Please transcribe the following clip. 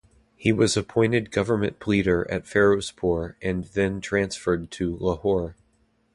He was appointed government pleader at Ferozpur and then transferred to Lahore.